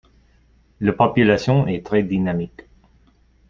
La population est très dynamique.